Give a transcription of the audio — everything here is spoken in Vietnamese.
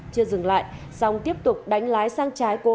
chưa dừng lại song tiếp tục đánh lái sang trái cô cáu